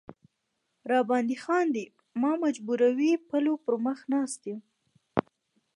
را باندې خاندي او ما محجوبوي پلو پر مخ ناسته یم.